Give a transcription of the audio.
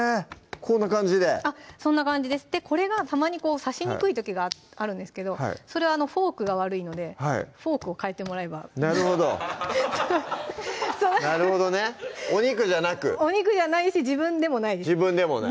こんな感じであっそんな感じですでこれがたまに刺しにくい時があるんですけどそれはフォークが悪いのでフォークを替えてもらえばなるほどなるほどねお肉じゃなくお肉じゃないし自分でもないです